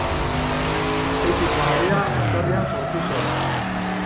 Azpeitiko Arria baserrian sortu zen.